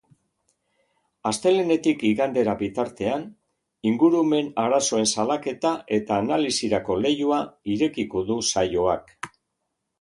Astelehenetik igandera bitartean, ingurumen-arazoen salaketa eta analisirako leihoa irekiko du saioak.